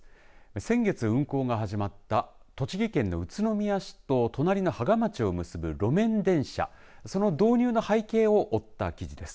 先月、運行が始まった栃木県の宇都宮市と隣の芳賀町を結ぶ路面電車その導入の背景を追った記事です。